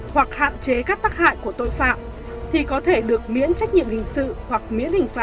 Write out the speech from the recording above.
hoặc hạn chế các tắc hại của tội phạm thì có thể được miễn trách nhiệm hình sự hoặc miễn hình phạt